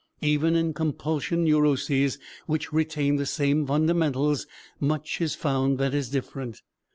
Even in compulsion neuroses, which retain the same fundamentals, much is found that is different.